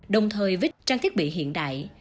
đồng thời với trang thiết bị hiện đại